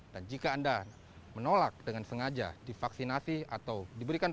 dan jika anda menolak dengan penyakit covid sembilan belas anda pun akan didenda rp lima